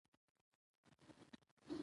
هلمند سیند د افغانستان یوه طبیعي ځانګړتیا ده.